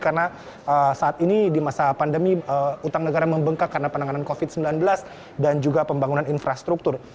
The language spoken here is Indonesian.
karena saat ini di masa pandemi hutang negara membengkak karena penanganan covid sembilan belas dan juga pembangunan infrastruktur